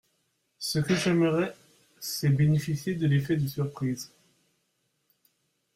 Ce que j’aimerais, c’est bénéficier de l’effet de surprise.